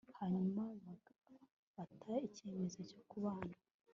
hanyuma bagafata icyemezo cyo kubana